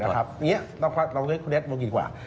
ใช่นะครับนี่ต้องคิดลงกี่ดีกว่า